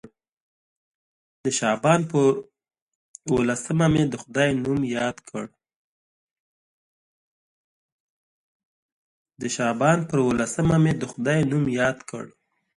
د شعبان پر اووه لسمه مې د خدای نوم یاد کړ.